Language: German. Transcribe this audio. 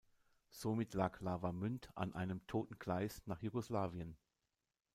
Somit lag Lavamünd an einem toten Gleis nach Jugoslawien.